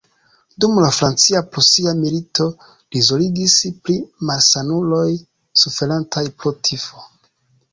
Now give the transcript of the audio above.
Dum la Francia-Prusia Milito li zorgis pri malsanuloj suferantaj pro tifo.